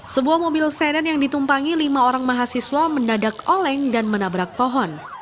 sebuah mobil sedan yang ditumpangi lima orang mahasiswa mendadak oleng dan menabrak pohon